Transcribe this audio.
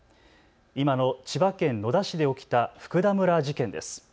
今の千葉県野田市で起きた福田村事件です。